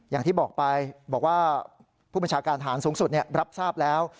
อย่างที่บอกไปบอกว่าผู้บัญชาการฐานสูงสุดรับทราบแล้ว